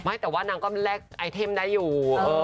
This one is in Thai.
ไม่แต่ว่านางก็แลกไอเทมได้อยู่